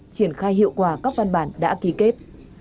triển khai hiệu quả các văn bản đã ký kết